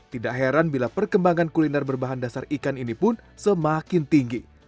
tidak heran bila perkembangan kuliner berbahan dasar ikan ini pun semakin tinggi